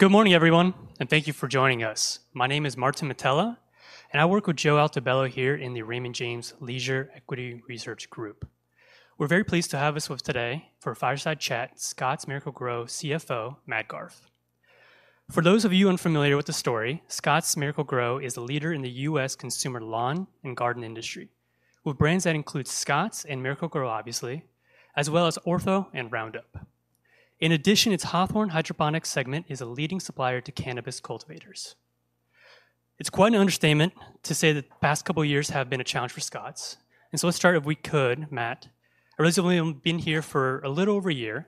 Good morning, everyone, and thank you for joining us. My name is Martin Mitela, and I work with Joe Altobello here in the Raymond James Leisure Equity Research Group. We're very pleased to have us with today for a fireside chat, Scotts Miracle-Gro CFO, Matt Garth. For those of you unfamiliar with the story, Scotts Miracle-Gro is a leader in the U.S. consumer lawn and garden industry, with brands that include Scotts and Miracle-Gro, obviously, as well as Ortho and Roundup. In addition, its Hawthorne Hydroponics segment is a leading supplier to cannabis cultivators. It's quite an understatement to say that the past couple of years have been a challenge for Scotts, and so let's start if we could, Matt. I realize we've only been here for a little over a year,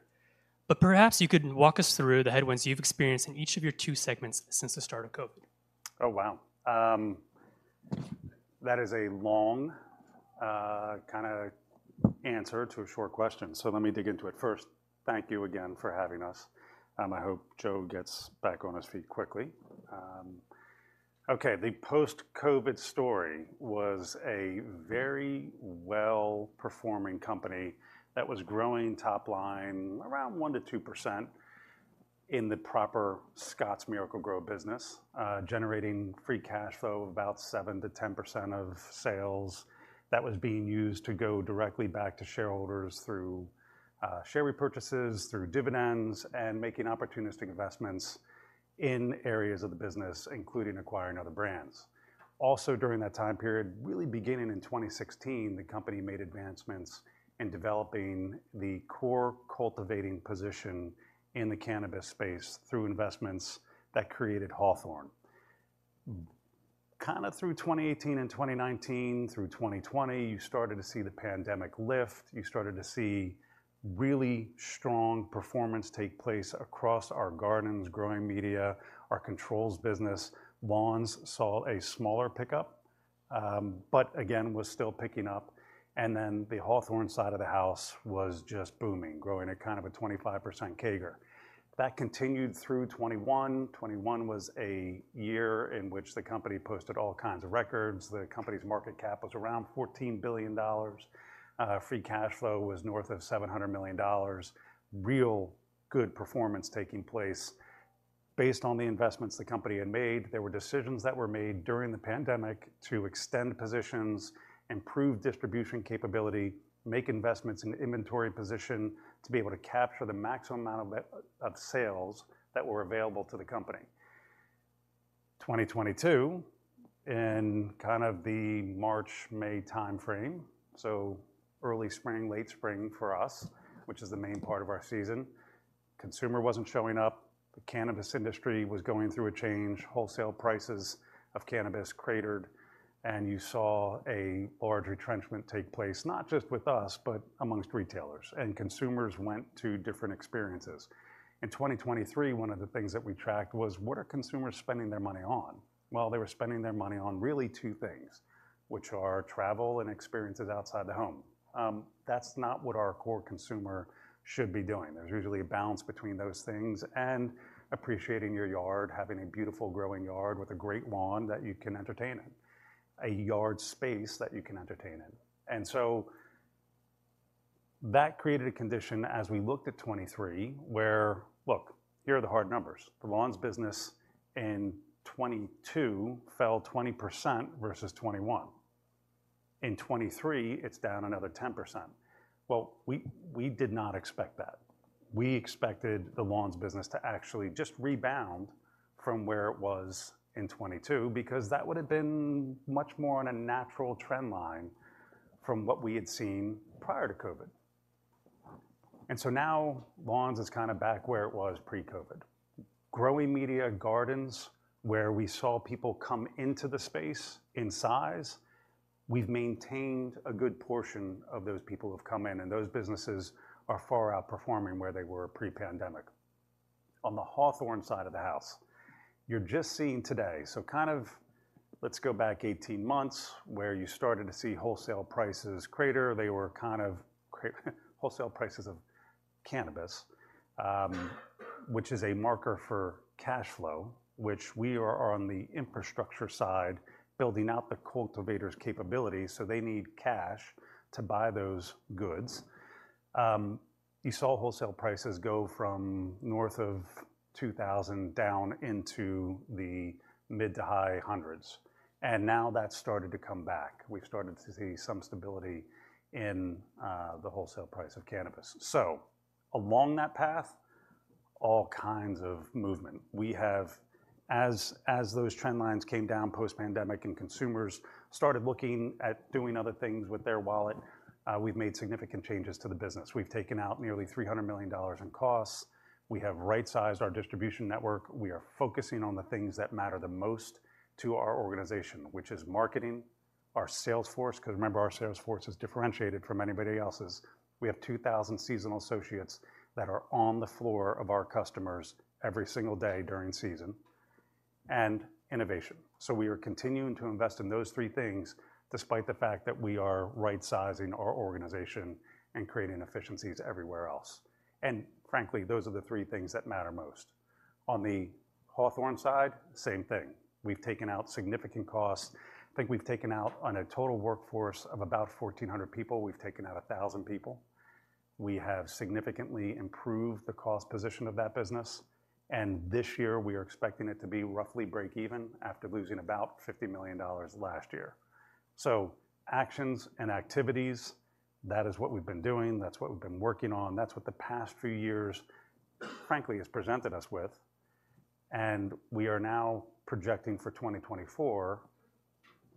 but perhaps you could walk us through the headwinds you've experienced in each of your two segments since the start of COVID? Oh, wow! That is a long, kinda answer to a short question, so let me dig into it. First, thank you again for having us. I hope Joe gets back on his feet quickly. Okay, the post-COVID story was a very well-performing company that was growing top line around 1%-2% in the proper Scotts Miracle-Gro business, generating free cash flow of about 7%-10% of sales that was being used to go directly back to shareholders through, share repurchases, through dividends, and making opportunistic investments in areas of the business, including acquiring other brands. Also, during that time period, really beginning in 2016, the company made advancements in developing the core cultivating position in the cannabis space through investments that created Hawthorne. Kinda through 2018 and 2019, through 2020, you started to see the pandemic lift. You started to see really strong performance take place across our gardens, growing media, our controls business. Lawns saw a smaller pickup, but again, was still picking up, and then the Hawthorne side of the house was just booming, growing at kind of a 25% CAGR. That continued through 2021. 2021 was a year in which the company posted all kinds of records. The company's market cap was around $14 billion. Free cash flow was north of $700 million. Real good performance taking place based on the investments the company had made. There were decisions that were made during the pandemic to extend positions, improve distribution capability, make investments in inventory position to be able to capture the maximum amount of sales that were available to the company. 2022, in kind of the March-May timeframe, so early spring, late spring for us, which is the main part of our season, consumer wasn't showing up, the cannabis industry was going through a change, wholesale prices of cannabis cratered, and you saw a large retrenchment take place, not just with us, but amongst retailers, and consumers went to different experiences. In 2023, one of the things that we tracked was: What are consumers spending their money on? Well, they were spending their money on really two things, which are travel and experiences outside the home. That's not what our core consumer should be doing. There's usually a balance between those things and appreciating your yard, having a beautiful growing yard with a great lawn that you can entertain in, a yard space that you can entertain in. And so that created a condition as we looked at 2023, where... Look, here are the hard numbers. The lawns business in 2022 fell 20% versus 2021. In 2023, it's down another 10%. Well, we did not expect that. We expected the lawns business to actually just rebound from where it was in 2022, because that would have been much more on a natural trend line from what we had seen prior to COVID. And so now, lawns is kinda back where it was pre-COVID. Growing media gardens, where we saw people come into the space in size, we've maintained a good portion of those people who've come in, and those businesses are far outperforming where they were pre-pandemic. On the Hawthorne side of the house, you're just seeing today, so kind of let's go back 18 months, where you started to see wholesale prices crater. They were wholesale prices of cannabis, which is a marker for cash flow, which we are on the infrastructure side, building out the cultivator's capability, so they need cash to buy those goods. You saw wholesale prices go from north of 2,000 down into the mid- to high hundreds, and now that's started to come back. We've started to see some stability in the wholesale price of cannabis. So along that path, all kinds of movement. As those trend lines came down post-pandemic and consumers started looking at doing other things with their wallet, we've made significant changes to the business. We've taken out nearly $300 million in costs. We have right-sized our distribution network. We are focusing on the things that matter the most to our organization, which is marketing, our sales force, because remember, our sales force is differentiated from anybody else's. We have 2,000 seasonal associates that are on the floor of our customers every single day during season, and innovation. So we are continuing to invest in those three things, despite the fact that we are right-sizing our organization and creating efficiencies everywhere else, and frankly, those are the three things that matter most. On the Hawthorne side, same thing. We've taken out significant costs. I think we've taken out on a total workforce of about 1,400 people, we've taken out 1,000 people. We have significantly improved the cost position of that business, and this year we are expecting it to be roughly break even after losing about $50 million last year. So actions and activities, that is what we've been doing, that's what we've been working on, that's what the past few years, frankly, has presented us with. And we are now projecting for 2024,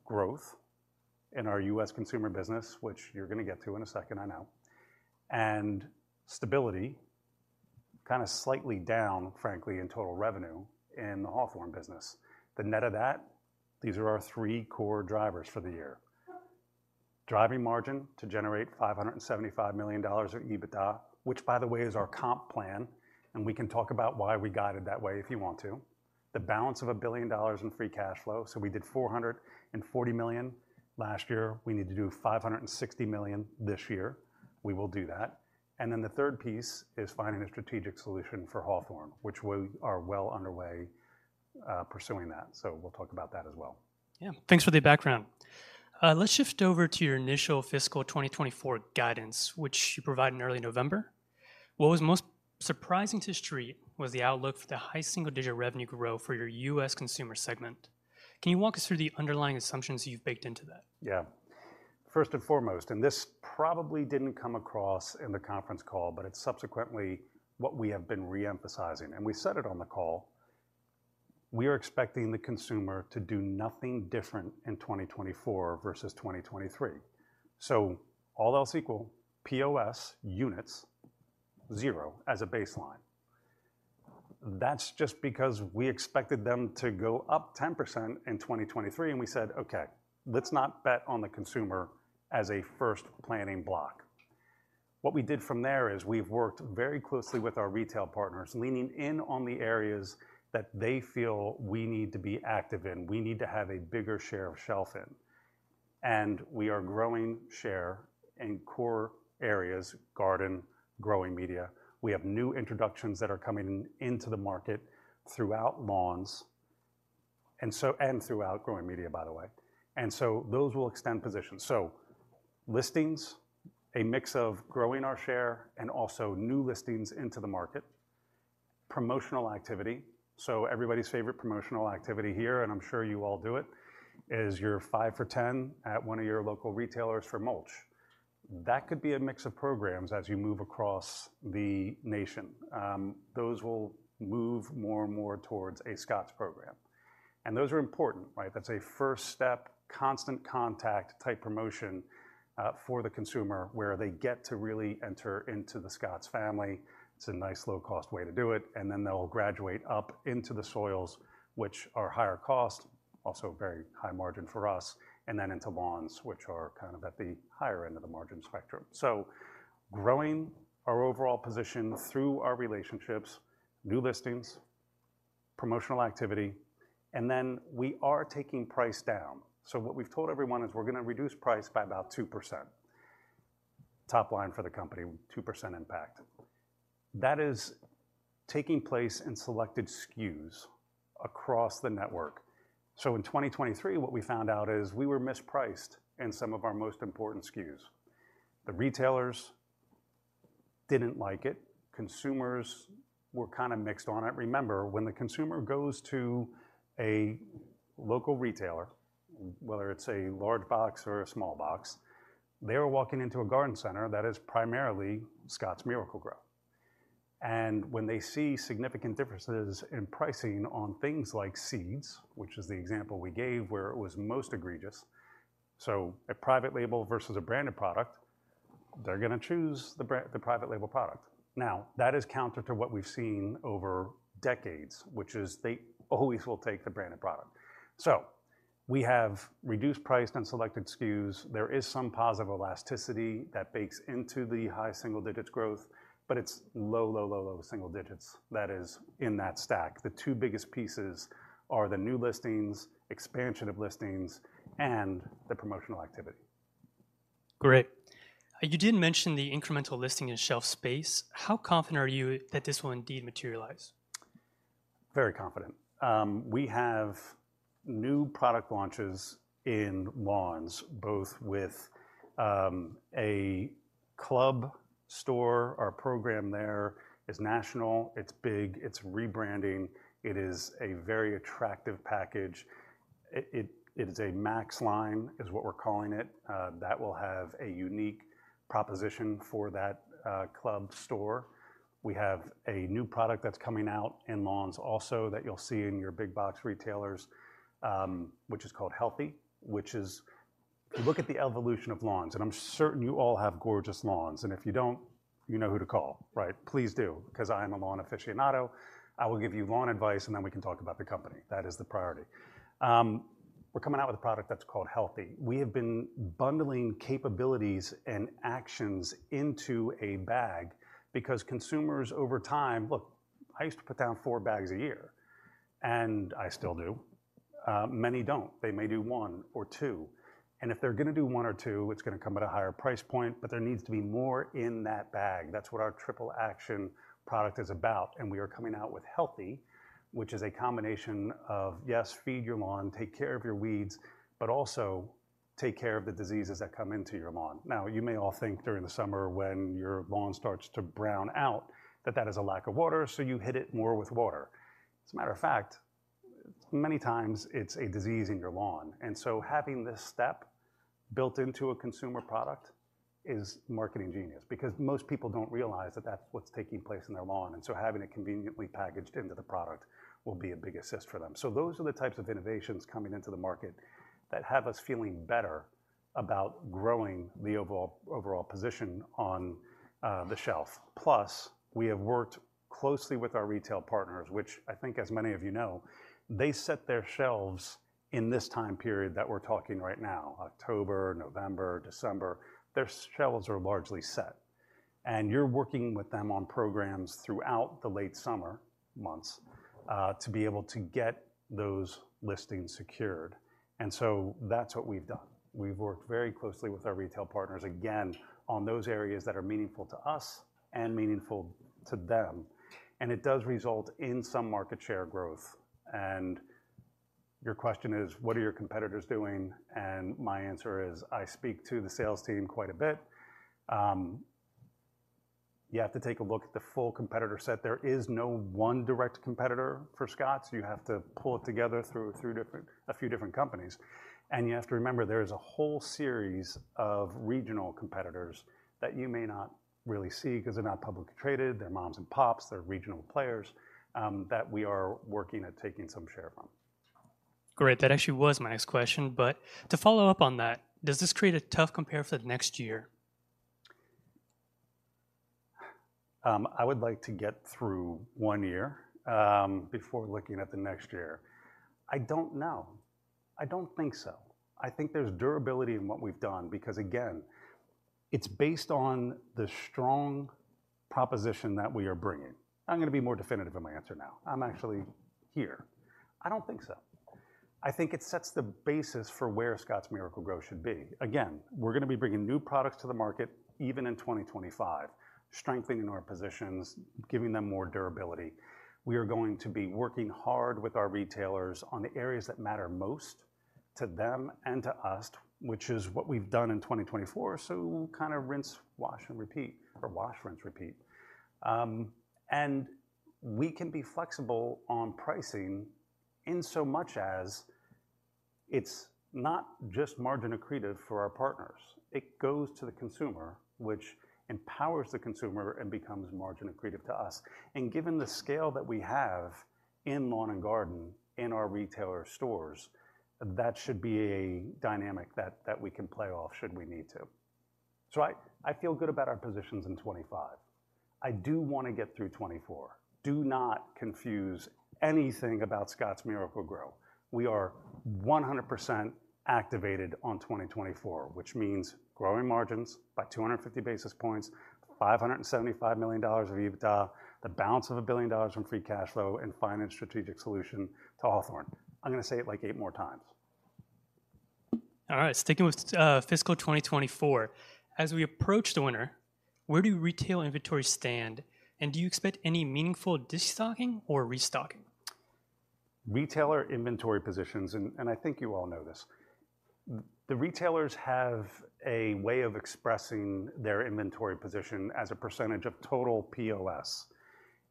growth in our U.S. consumer business, which you're gonna get to in a second, I know. And stability, kind of slightly down, frankly, in total revenue in the Hawthorne business. The net of that, these are our three core drivers for the year. Driving margin to generate $575 million of EBITDA, which, by the way, is our comp plan, and we can talk about why we got it that way, if you want to. The balance of $1 billion in free cash flow. So we did $440 million last year. We need to do $560 million this year. We will do that. And then the third piece is finding a strategic solution for Hawthorne, which we are well underway pursuing that. So we'll talk about that as well. Yeah. Thanks for the background. Let's shift over to your initial fiscal 2024 guidance, which you provided in early November. What was most surprising to the street was the outlook for the high single-digit revenue growth for your U.S. consumer segment. Can you walk us through the underlying assumptions you've baked into that? Yeah. First and foremost, and this probably didn't come across in the conference call, but it's subsequently what we have been re-emphasizing, and we said it on the call: We are expecting the consumer to do nothing different in 2024 versus 2023. So all else equal, POS units, zero as a baseline. That's just because we expected them to go up 10% in 2023, and we said, "Okay, let's not bet on the consumer as a first planning block." What we did from there is, we've worked very closely with our retail partners, leaning in on the areas that they feel we need to be active in, we need to have a bigger share of shelf in. And we are growing share in core areas, garden, growing media. We have new introductions that are coming into the market throughout lawns, and so and throughout growing media, by the way, and so those will extend positions. So listings, a mix of growing our share and also new listings into the market. Promotional activity, so everybody's favorite promotional activity here, and I'm sure you all do it, is your five for $10 at one of your local retailers for mulch. That could be a mix of programs as you move across the nation. Those will move more and more towards a Scotts program, and those are important, right? That's a first step, constant contact type promotion, for the consumer, where they get to really enter into the Scotts family. It's a nice, low-cost way to do it, and then they'll graduate up into the soils, which are higher cost, also very high margin for us, and then into lawns, which are kind of at the higher end of the margin spectrum. So growing our overall position through our relationships, new listings, promotional activity, and then we are taking price down. So what we've told everyone is we're gonna reduce price by about 2%. Top line for the company, 2% impact. That is taking place in selected SKUs across the network. So in 2023, what we found out is we were mispriced in some of our most important SKUs. The retailers didn't like it. Consumers were kind of mixed on it. Remember, when the consumer goes to a local retailer, whether it's a large box or a small box, they are walking into a garden center that is primarily Scotts Miracle-Gro. And when they see significant differences in pricing on things like seeds, which is the example we gave where it was most egregious, so a private label versus a branded product, they're gonna choose the private label product. Now, that is counter to what we've seen over decades, which is they always will take the branded product. So we have reduced price on selected SKUs. There is some positive elasticity that bakes into the high single digits growth, but it's low, low, low, low single digits that is in that stack. The two biggest pieces are the new listings, expansion of listings, and the promotional activity. Great. You did mention the incremental listing in shelf space. How confident are you that this will indeed materialize? Very confident. We have new product launches in lawns, both with a club store. Our program there is national, it's big, it's rebranding, it is a very attractive package. It is a Max Lawn, what we're calling it. That will have a unique proposition for that club store. We have a new product that's coming out in lawns also, that you'll see in your big box retailers, which is called Healthy, which is... Look at the evolution of lawns, and I'm certain you all have gorgeous lawns, and if you don't, you know who to call, right? Please do, 'cause I am a lawn aficionado. I will give you lawn advice, and then we can talk about the company. That is the priority. We're coming out with a product that's called Healthy. We have been bundling capabilities and actions into a bag because consumers, over time. Look, I used to put down four bags a year, and I still do. Many don't. They may do one or two, and if they're gonna do one or two, it's gonna come at a higher price point, but there needs to be more in that bag. That's what our Triple Action product is about, and we are coming out with Healthy, which is a combination of, yes, feed your lawn, take care of your weeds, but also take care of the diseases that come into your lawn. Now, you may all think during the summer when your lawn starts to brown out, that that is a lack of water, so you hit it more with water.... As a matter of fact, many times it's a disease in your lawn, and so having this step built into a consumer product is marketing genius, because most people don't realize that that's what's taking place in their lawn, and so having it conveniently packaged into the product will be a big assist for them. So those are the types of innovations coming into the market that have us feeling better about growing the overall, overall position on, the shelf. Plus, we have worked closely with our retail partners, which I think as many of you know, they set their shelves in this time period that we're talking right now, October, November, December. Their shelves are largely set, and you're working with them on programs throughout the late summer months, to be able to get those listings secured, and so that's what we've done. We've worked very closely with our retail partners, again, on those areas that are meaningful to us and meaningful to them, and it does result in some market share growth. Your question is: what are your competitors doing? My answer is, I speak to the sales team quite a bit. You have to take a look at the full competitor set. There is no one direct competitor for Scotts. You have to pull it together through a few different companies, and you have to remember, there is a whole series of regional competitors that you may not really see 'cause they're not publicly traded, they're moms and pops, they're regional players, that we are working at taking some share from. Great. That actually was my next question, but to follow up on that, does this create a tough compare for the next year? I would like to get through one year before looking at the next year. I don't know. I don't think so. I think there's durability in what we've done because, again, it's based on the strong proposition that we are bringing. I'm gonna be more definitive in my answer now. I'm actually here. I don't think so. I think it sets the basis for where Scotts Miracle-Gro should be. Again, we're gonna be bringing new products to the market, even in 2025, strengthening our positions, giving them more durability. We are going to be working hard with our retailers on the areas that matter most to them and to us, which is what we've done in 2024, so kind of rinse, wash and repeat, or wash, rinse, repeat. And we can be flexible on pricing, in so much as it's not just margin accretive for our partners, it goes to the consumer, which empowers the consumer and becomes margin accretive to us. And given the scale that we have in lawn and garden in our retailer stores, that should be a dynamic that we can play off should we need to. So I feel good about our positions in 2025. I do want to get through 2024. Do not confuse anything about Scotts Miracle-Gro. We are 100% activated on 2024, which means growing margins by 250 basis points, $575 million of EBITDA, the balance of $1 billion from free cash flow and find a strategic solution to Hawthorne. I'm gonna say it, like, eight more times. All right. Sticking with fiscal 2024, as we approach the winter, where do retail inventory stand? And do you expect any meaningful destocking or restocking? Retailer inventory positions, and I think you all know this, the retailers have a way of expressing their inventory position as a percentage of total POS,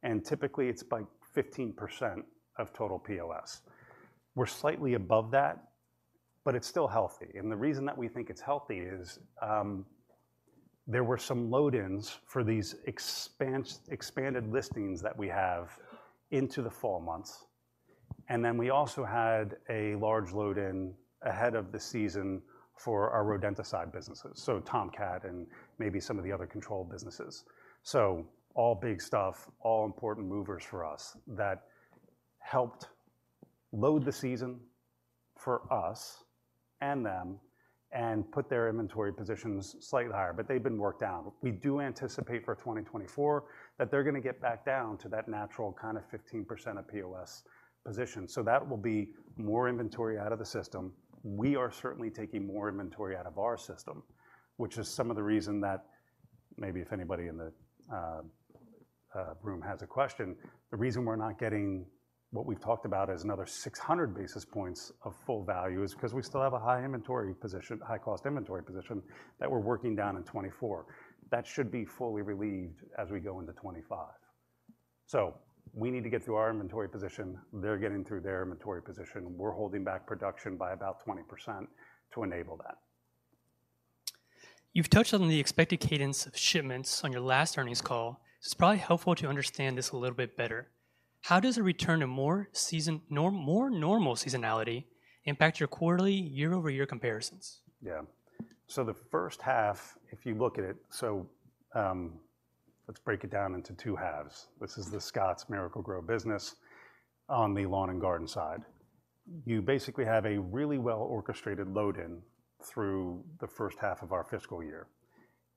and typically, it's by 15% of total POS. We're slightly above that, but it's still healthy, and the reason that we think it's healthy is, there were some load-ins for these expanded listings that we have into the fall months, and then we also had a large load-in ahead of the season for our rodenticide businesses, so Tomcat and maybe some of the other controlled businesses. So all big stuff, all important movers for us, that helped load the season for us and them, and put their inventory positions slightly higher, but they've been worked down. We do anticipate for 2024, that they're gonna get back down to that natural kind of 15% of POS position, so that will be more inventory out of the system. We are certainly taking more inventory out of our system, which is some of the reason that maybe if anybody in the room has a question, the reason we're not getting what we've talked about as another 600 basis points of full value is because we still have a high inventory position, high cost inventory position, that we're working down in 2024. That should be fully relieved as we go into 2025. So we need to get through our inventory position. They're getting through their inventory position. We're holding back production by about 20% to enable that. You've touched on the expected cadence of shipments on your last earnings call. It's probably helpful to understand this a little bit better. How does a return to more seasonal or more normal seasonality impact your quarterly year-over-year comparisons? Yeah. So the first half, if you look at it... So, let's break it down into two halves. This is the Scotts Miracle-Gro business on the lawn and garden side. You basically have a really well-orchestrated load-in through the first half of our fiscal year,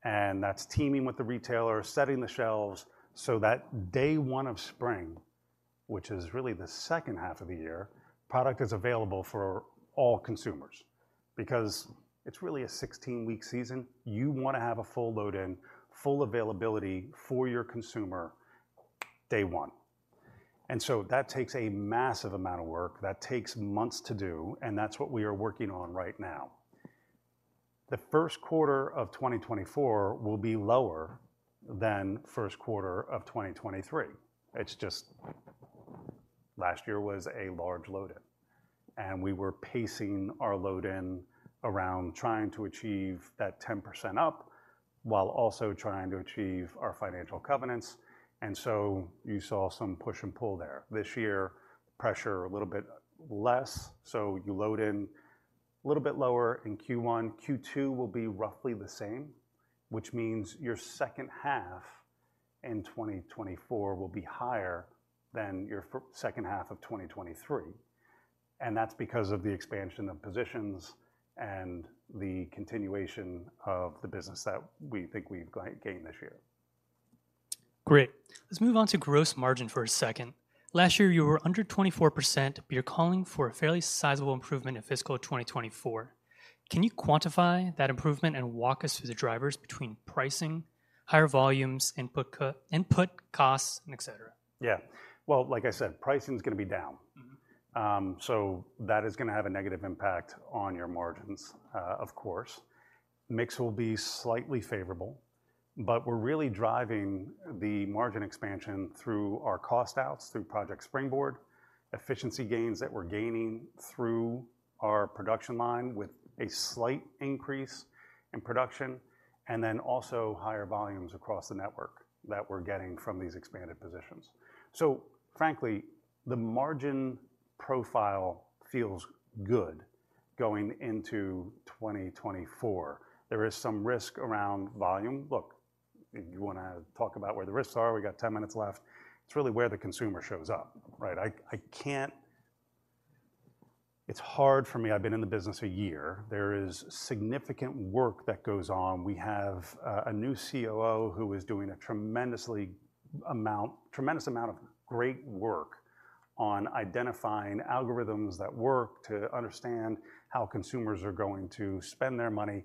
and that's teaming with the retailer, setting the shelves, so that day one of spring, which is really the second half of the year, product is available for all consumers, because it's really a 16-week season. You want to have a full load-in, full availability for your consumer, day one. And so that takes a massive amount of work. That takes months to do, and that's what we are working on right now.... The first quarter of 2024 will be lower than first quarter of 2023. It's just, last year was a large load in, and we were pacing our load in around trying to achieve that 10% up, while also trying to achieve our financial covenants, and so you saw some push and pull there. This year, pressure a little bit less, so you load in a little bit lower in Q1. Q2 will be roughly the same, which means your second half in 2024 will be higher than your second half of 2023, and that's because of the expansion of positions and the continuation of the business that we think we've gained this year. Great. Let's move on to gross margin for a second. Last year, you were under 24%, but you're calling for a fairly sizable improvement in fiscal 2024. Can you quantify that improvement and walk us through the drivers between pricing, higher volumes, input costs, and et cetera? Yeah. Well, like I said, pricing's gonna be down. Mm-hmm. So that is gonna have a negative impact on your margins, of course. Mix will be slightly favorable, but we're really driving the margin expansion through our cost outs, through Project Springboard, efficiency gains that we're gaining through our production line, with a slight increase in production, and then also higher volumes across the network that we're getting from these expanded positions. So frankly, the margin profile feels good going into 2024. There is some risk around volume. Look, if you wanna talk about where the risks are, we got 10 minutes left. It's really where the consumer shows up, right? I can't. It's hard for me. I've been in the business a year. There is significant work that goes on. We have a new COO who is doing a tremendous amount of great work on identifying algorithms that work to understand how consumers are going to spend their money.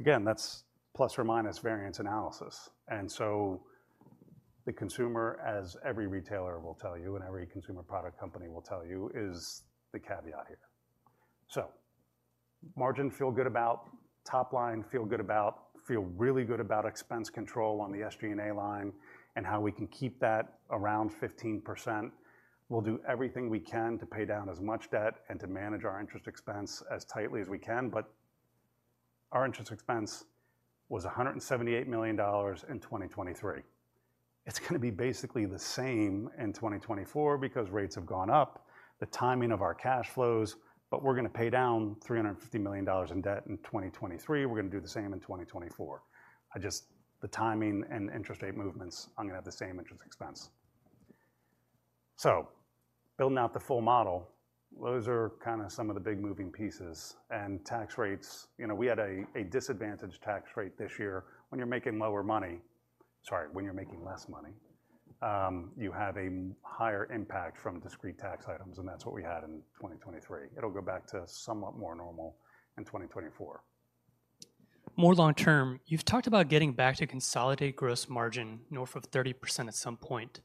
Again, that's plus or minus variance analysis, and so the consumer, as every retailer will tell you, and every consumer product company will tell you, is the caveat here. So margin, feel good about, top line, feel good about. Feel really good about expense control on the SG&A line and how we can keep that around 15%. We'll do everything we can to pay down as much debt and to manage our interest expense as tightly as we can, but our interest expense was $178 million in 2023. It's gonna be basically the same in 2024 because rates have gone up, the timing of our cash flows, but we're gonna pay down $350 million in debt in 2023. We're gonna do the same in 2024. Just the timing and interest rate movements are gonna have the same interest expense. So building out the full model, those are kind of some of the big moving pieces. And tax rates, you know, we had a, a disadvantaged tax rate this year. When you're making lower money... Sorry, when you're making less money, you have a higher impact from discrete tax items, and that's what we had in 2023. It'll go back to somewhat more normal in 2024. More long term, you've talked about getting back to consolidated gross margin north of 30% at some point.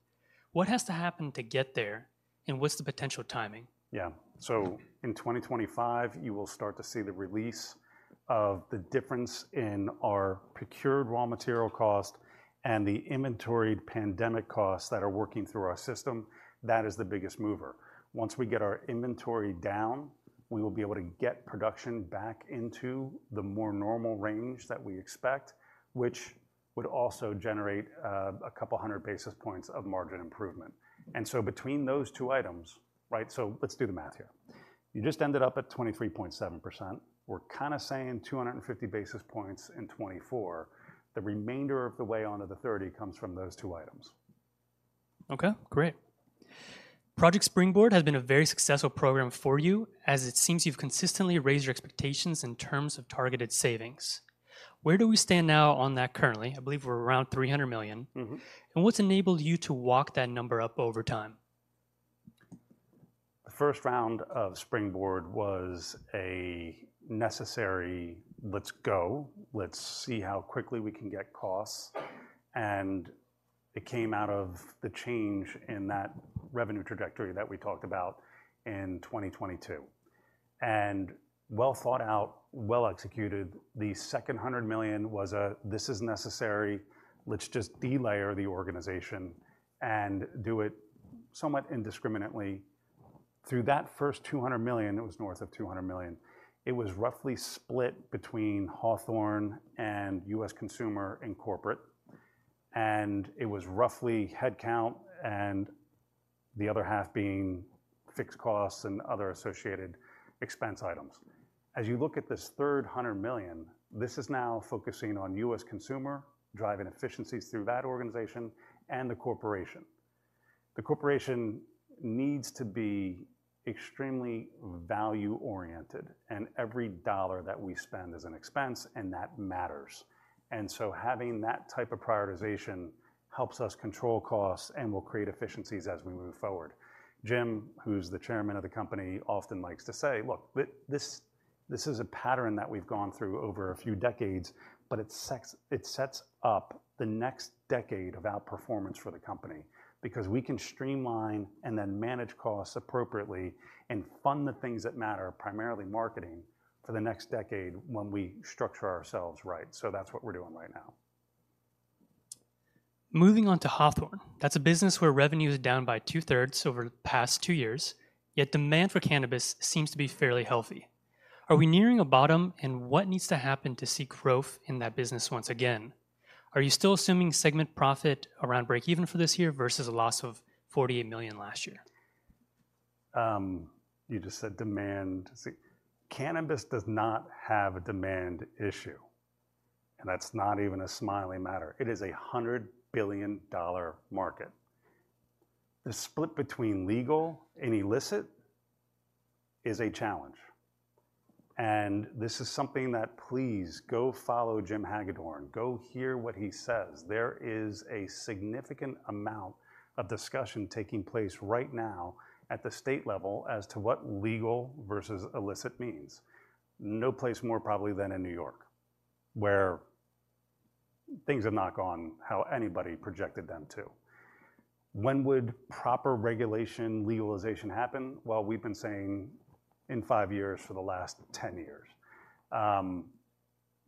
What has to happen to get there, and what's the potential timing? Yeah. So in 2025, you will start to see the release of the difference in our procured raw material cost and the inventoried pandemic costs that are working through our system. That is the biggest mover. Once we get our inventory down, we will be able to get production back into the more normal range that we expect, which would also generate a couple hundred basis points of margin improvement. And so between those two items... Right, so let's do the math here. You just ended up at 23.7%. We're kind of saying 250 basis points in 2024. The remainder of the way onto the 30 comes from those two items. Okay, great. Project Springboard has been a very successful program for you, as it seems you've consistently raised your expectations in terms of targeted savings. Where do we stand now on that currently? I believe we're around $300 million. Mm-hmm. What's enabled you to walk that number up over time? The first round of Springboard was a necessary, "Let's go. Let's see how quickly we can get costs." It came out of the change in that revenue trajectory that we talked about in 2022. Well thought out, well executed, the second $100 million was a, "This is necessary. Let's just delayer the organization and do it somewhat indiscriminately." Through that first $200 million, it was north of $200 million, it was roughly split between Hawthorne and U.S. Consumer and Corporate, and it was roughly headcount and the other half being fixed costs and other associated expense items. As you look at this third $100 million, this is now focusing on U.S. Consumer, driving efficiencies through that organization and the corporation. The corporation needs to be extremely value-oriented, and every dollar that we spend is an expense, and that matters. Having that type of prioritization helps us control costs and will create efficiencies as we move forward. Jim, who's the chairman of the company, often likes to say, "Look, this is a pattern that we've gone through over a few decades, but it sets up the next decade of outperformance for the company, because we can streamline and then manage costs appropriately and fund the things that matter, primarily marketing, for the next decade when we structure ourselves right." That's what we're doing right now. ... Moving on to Hawthorne. That's a business where revenue is down by two-thirds over the past two years, yet demand for cannabis seems to be fairly healthy. Are we nearing a bottom, and what needs to happen to see growth in that business once again? Are you still assuming segment profit around breakeven for this year versus a loss of $48 million last year? You just said demand. See, cannabis does not have a demand issue, and that's not even a smiley matter. It is a $100 billion market. The split between legal and illicit is a challenge, and this is something that... Please, go follow Jim Hagedorn. Go hear what he says. There is a significant amount of discussion taking place right now at the state level as to what legal versus illicit means. No place more probably than in New York, where things have not gone how anybody projected them to. When would proper regulation legalization happen? Well, we've been saying in five years for the last 10 years.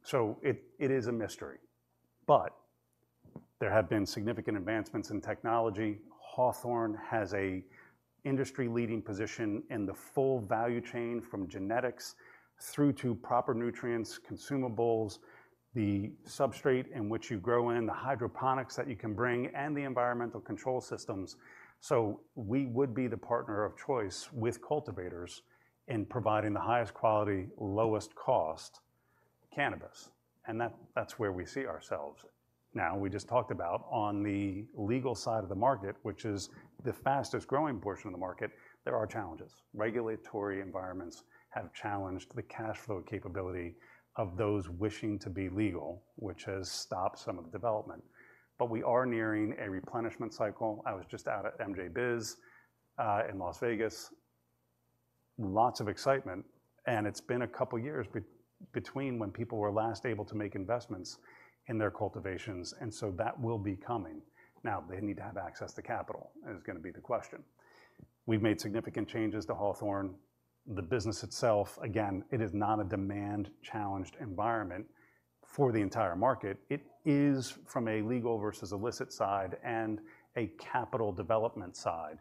So it is a mystery, but there have been significant advancements in technology. Hawthorne has an industry-leading position in the full value chain, from genetics through to proper nutrients, consumables, the substrate in which you grow in, the hydroponics that you can bring, and the environmental control systems. So we would be the partner of choice with cultivators in providing the highest quality, lowest cost cannabis, and that's where we see ourselves. Now, we just talked about on the legal side of the market, which is the fastest growing portion of the market, there are challenges. Regulatory environments have challenged the cash flow capability of those wishing to be legal, which has stopped some of the development. But we are nearing a replenishment cycle. I was just out at MJBiz in Las Vegas. Lots of excitement, and it's been a couple of years between when people were last able to make investments in their cultivations, and so that will be coming. Now, they need to have access to capital, is gonna be the question. We've made significant changes to Hawthorne. The business itself, again, it is not a demand-challenged environment for the entire market. It is from a legal versus illicit side and a capital development side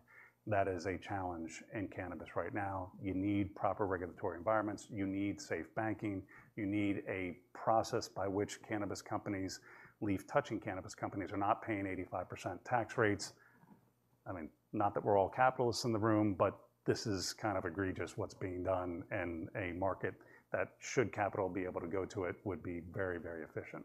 that is a challenge in cannabis right now. You need proper regulatory environments. You need safe banking. You need a process by which cannabis companies, leaf-touching cannabis companies, are not paying 85% tax rates. I mean, not that we're all capitalists in the room, but this is kind of egregious, what's being done in a market that, should capital be able to go to it, would be very, very efficient.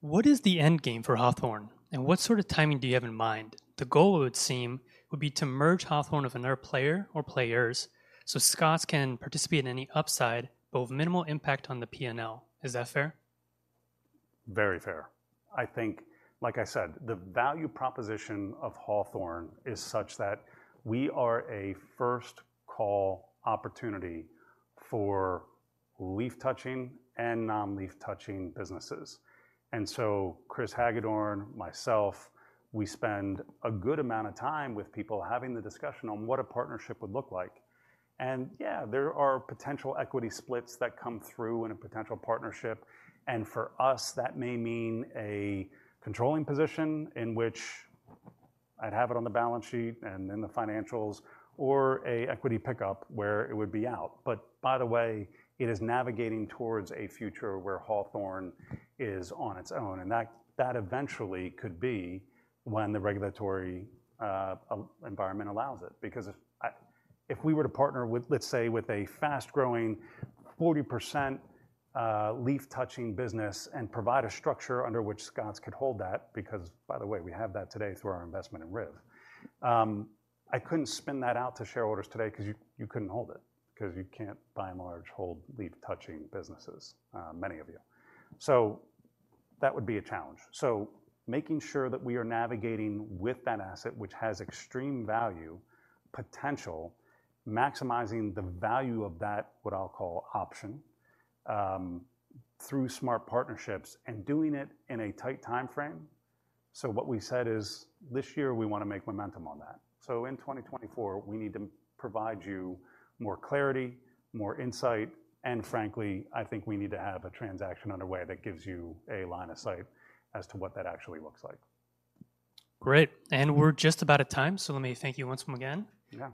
What is the end game for Hawthorne, and what sort of timing do you have in mind? The goal, it would seem, would be to merge Hawthorne with another player or players so Scotts can participate in any upside, but with minimal impact on the P&L. Is that fair? Very fair. I think, like I said, the value proposition of Hawthorne is such that we are a first-call opportunity for leaf-touching and non-leaf touching businesses. And so Chris Hagedorn, myself, we spend a good amount of time with people having the discussion on what a partnership would look like. And yeah, there are potential equity splits that come through in a potential partnership, and for us, that may mean a controlling position in which I'd have it on the balance sheet and in the financials, or a equity pickup, where it would be out. But by the way, it is navigating towards a future where Hawthorne is on its own, and that, that eventually could be when the regulatory environment allows it. Because if, if we were to partner with, let's say, with a fast-growing, 40%, leaf-touching business and provide a structure under which Scotts could hold that, because, by the way, we have that today through our investment in RIV. I couldn't spin that out to shareholders today, 'cause you, you couldn't hold it, 'cause you can't, by and large, hold leaf-touching businesses, many of you. So that would be a challenge. So making sure that we are navigating with that asset, which has extreme value potential, maximizing the value of that, what I'll call option, through smart partnerships and doing it in a tight timeframe. So what we said is, this year we want to make momentum on that. So in 2024, we need to provide you more clarity, more insight, and frankly, I think we need to have a transaction underway that gives you a line of sight as to what that actually looks like. Great, and we're just about at time, so let me thank you once again. Yeah.